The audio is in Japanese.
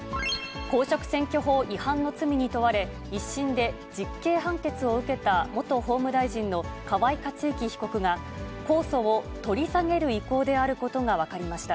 公職選挙法違反の罪に問われ、１審で実刑判決を受けた元法務大臣の河井克行被告が、控訴を取り下げる意向であることが分かりました。